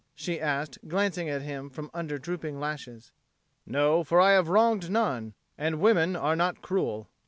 she asked, glancing at him from under drooping lashes. "No, for I have wronged none; and women are not cruel."